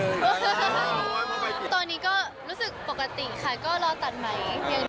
เอ้าตอนนี้ก็รู้สึกปกติค่ะก็ล้อตัดไมค์